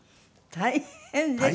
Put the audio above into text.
大変ですね。